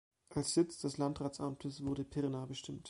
Als Sitz des Landratsamtes wurde Pirna bestimmt.